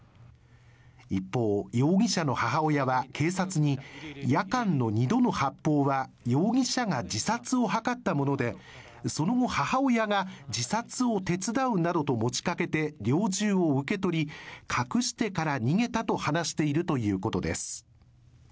一方、容疑者の母親は警察に夜間の２度の発砲は容疑者が自殺を図ったもので、その後母親が自殺を手伝うなどと持ちかけて猟銃を受け取り隠してから逃げたと話しているということです